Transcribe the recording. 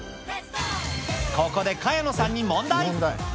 ここで萱野さんに問題。